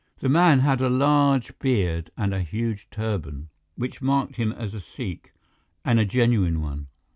The man had a large beard and a huge turban, which marked him as a Sikh, and a genuine one.